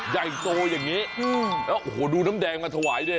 ใหญ่โตอย่างนี้แล้วโอ้โหดูน้ำแดงมาถวายด้วย